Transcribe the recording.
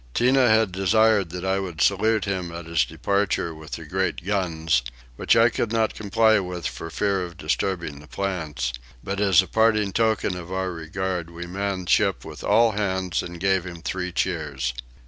Tinah had desired that I would salute him at his departure with the great guns, which I could not comply with for fear of disturbing the plants; but as a parting token of our regard we manned ship with all hands and gave him three cheers.